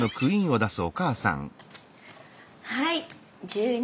はい１２。